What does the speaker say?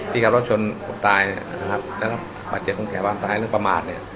พี่กับรถชนตายและปัจจัยคุณแขกว้างตายเรื่องประมาทเนี่ย